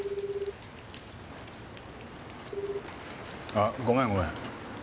あっごめんごめん。